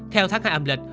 theo tháng hai âm lịch